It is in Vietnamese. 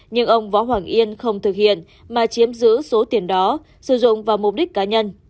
nhưng ông võ hoàng yên không thực hiện mà chiếm giữ số tiền đó sử dụng vào mục đích cá nhân